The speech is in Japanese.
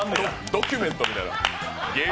ドキュメントみたいな。